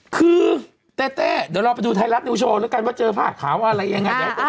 คือเต้เดี๋ยวเราไปดูไทยลัทรูโชว์แล้วกันว่าเจอภาวะขาวอะไรอย่างไร